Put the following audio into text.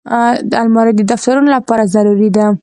الماري د دفترونو لپاره ضروري ده